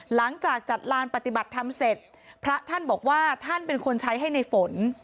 หลังจากจัดลานปฏิบัติธรรมเสร็จพระท่านบอกว่าท่านเป็นคนใช้ให้ในฝน